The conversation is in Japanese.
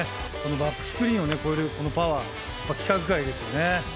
バックスクリーンを越えるパワー規格外ですよね。